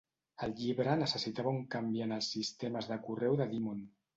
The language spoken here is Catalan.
El llibre necessitava un canvi en els sistemes de correu de Demon.